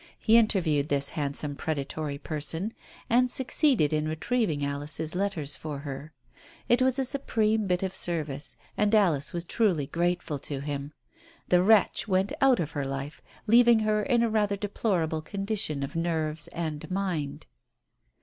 He interviewed this handsome predatory person, and succeeded in retrieving Alice's letters for her. It was a supreme bit of service, and Alice was truly grateful to him. The wretch went out of her life, leaving her in a rather deplorable condition of nerves and mind.